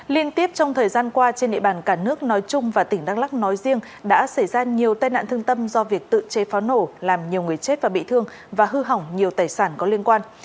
liên tiếp trong thời gian qua trên địa bàn cả nước nói chung và tỉnh đắk lắc nói riêng đã xảy ra nhiều tai nạn thương tâm do việc tự chế pháo nổ làm nhiều người chết và bị thương và hư hỏng nhiều tài sản có liên quan